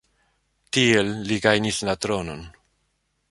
Tiel li gajnis la tronon.